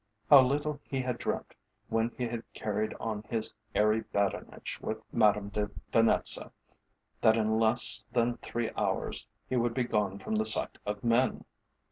How little he had dreamt when he had carried on his airy badinage with Madame de Venetza that in less than three hours he would be gone from the sight of men!